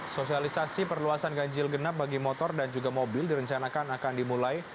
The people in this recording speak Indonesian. sosialisasi perluasan ganjil genap bagi motor dan juga mobil direncanakan akan dimulai